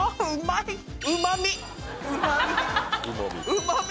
うまみ！